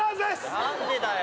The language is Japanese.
何でだよ。